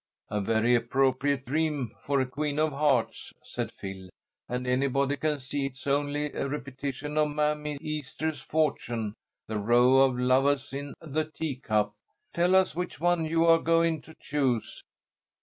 "A very appropriate dream for a Queen of Hearts," said Phil, "and anybody can see it's only a repetition of Mammy Easter's fortune, the 'row of lovahs in the teacup.' Tell us which one you are going to choose."